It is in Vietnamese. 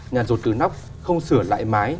nhà rột từ nóc không sửa lại mái